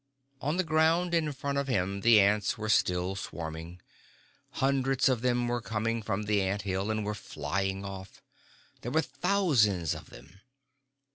On the ground in front of him the ants were still swarming. Hundreds of them were coming from the ant hill and were flying off. There were thousands of them.